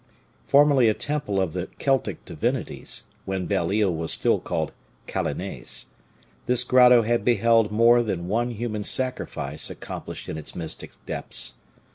Formerly a temple of the Celtic divinities, when Belle Isle was still called Kalonese, this grotto had beheld more than one human sacrifice accomplished in its mystic depths.